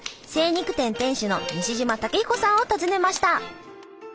精肉店店主の西島武彦さんを訪ねました。